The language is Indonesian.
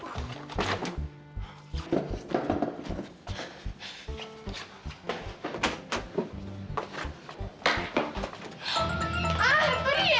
ah beri ya